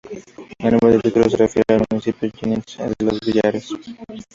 El nombre del título se refiere al municipio jienense de Los Villares.